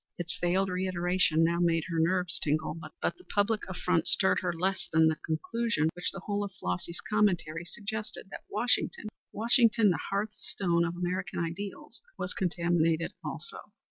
Its veiled reiteration now made her nerves tingle, but the personal affront stirred her less than the conclusion, which the whole of Flossy's commentary suggested, that Washington Washington the hearth stone of American ideals, was contaminated also.